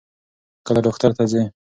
کله ډاکټر ته ځې؟